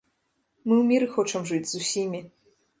Мы ў міры хочам жыць з усімі.